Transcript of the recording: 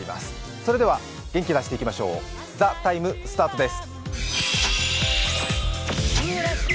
それでは元気出していきましょう、「ＴＨＥＴＩＭＥ，」スタートです。